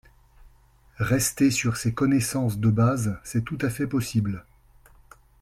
Rester sur ces connaissances de base, c'est tout à fait possible